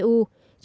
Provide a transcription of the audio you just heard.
chưa quyết định